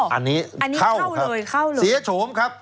อันนี้เข้าครับเสียโฉมครับ